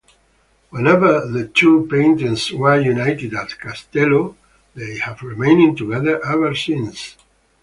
Whenever the two paintings were united at Castello, they have remained together ever since.